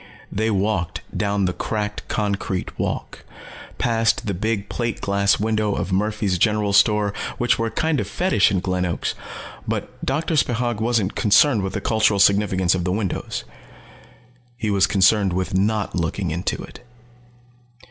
They walked down the cracked concrete walk, passed the big plate glass windows of Murphy's General Store which were a kind of fetish in Glen Oaks. But Doctor Spechaug wasn't concerned with the cultural significance of the windows. He was concerned with not looking into it.